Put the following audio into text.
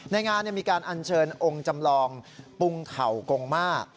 ในงานมีการอัญเชิญองค์จำลองปรุงเข่ากงมา